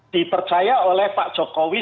dipercaya oleh pak jokowi